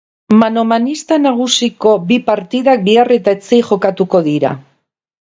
Manomanista nagusiko bi partidak bihar eta etzi jokatuko dira.